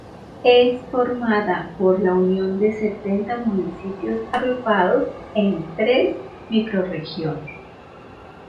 Es formada por la unión de setenta municipios agrupados en tres microrregiones.